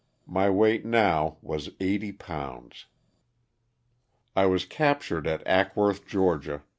My weight now was eighty pounds. I was captured at Ackworth, Ga.